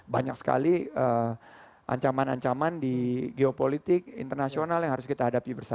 banyak sekali ancaman ancaman di geopolitik internasional yang harus kita hadapi bersama